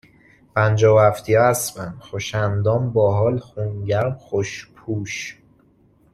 پنجاه و هفتیا اسبن، خوش اندام، با حال، خون گرم، خوش پوش